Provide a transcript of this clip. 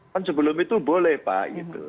kan sebelum itu boleh pak gitu